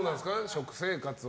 食生活は。